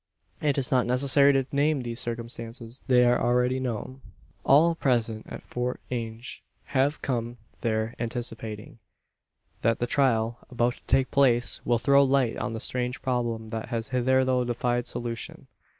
It is not necessary to name these circumstances: they are already known. All present at Fort Inge have come there anticipating: that the trial about to take place will throw light on the strange problem that has hitherto defied solution.